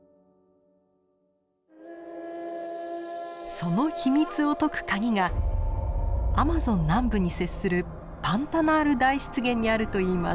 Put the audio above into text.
その秘密を解く鍵がアマゾン南部に接するパンタナール大湿原にあるといいます。